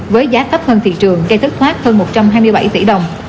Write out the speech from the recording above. với giá thấp hơn thị trường gây thất thoát hơn một trăm hai mươi bảy tỷ đồng